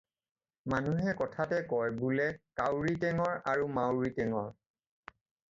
"মানুহে কথাতে কয় বোলে "কাউৰী টেঙৰ আৰু মাউৰী টেঙৰ।"